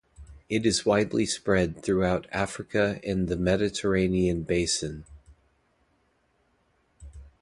It is widely spread throughout Africa and the Mediterranean Basin.